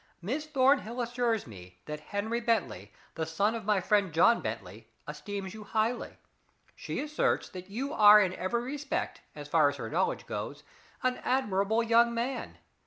Miss Thornhill assures me that Henry Bentley, the son of my friend John Bentley, esteems you highly. She asserts that you are in every respect, as far as her knowledge goes, an admirable young man.